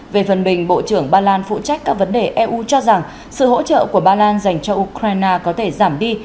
về phần bình bộ trưởng ba lan phụ trách các vấn đề eu cho rằng sự hỗ trợ của ba lan dành cho ukraine có thể giảm đi